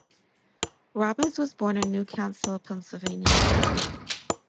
Robbins was born in New Castle, Pennsylvania.